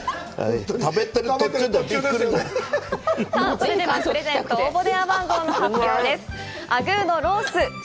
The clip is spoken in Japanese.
それではプレゼント応募電話番号の発表です。